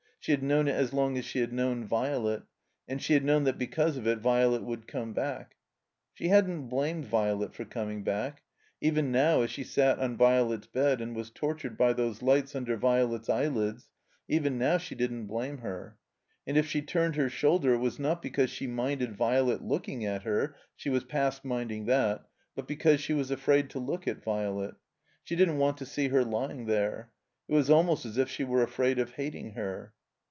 She had known it as long as she had known Violet. And she had known that because of it Violet wotdd come back. She hadn't blamed Violet for coming back. Even now, as she sat on Violet's bed and was tortured by those lights under Violet's eyelids, even now she didn't blame her. And if she turned her shoulder it was not because she minded Violet looking at her (she was past minding that), but because she was afraid to look at Violet. She didn't want to see her lying there. It was almost as if she were afraid of hating her.